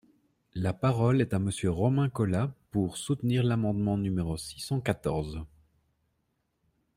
La parole est à Monsieur Romain Colas, pour soutenir l’amendement numéro six cent quatorze.